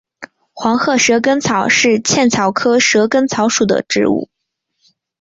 黄褐蛇根草是茜草科蛇根草属的植物。